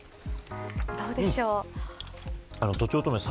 どうでしょう。